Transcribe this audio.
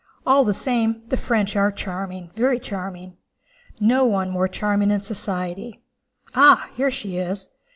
All the same, the French are charming, very charming. No one more charming in society. Ah, here she is!